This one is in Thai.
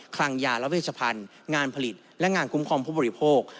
คลังยาและเวชพันธ์งานผลิตและงานคุ้มครองผู้บริโภค